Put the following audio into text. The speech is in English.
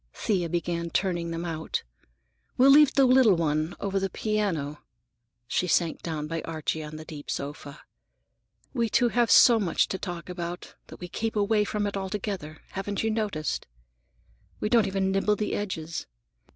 Thea began turning them out. "We'll leave the little one, over the piano." She sank down by Archie on the deep sofa. "We two have so much to talk about that we keep away from it altogether; have you noticed? We don't even nibble the edges.